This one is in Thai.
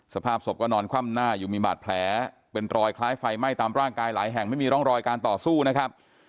สภาพศพก็นอนคว่ำหน้าอยู่มีบาดแผลเป็นรอยคล้ายไฟไหม้ตามร่างกายหลายแห่งไม่มีร่องรอยการต่อสู้นะครับ